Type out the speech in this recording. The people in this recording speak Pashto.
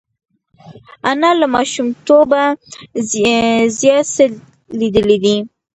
انا له ماشومتوبه زیات څه لیدلي دي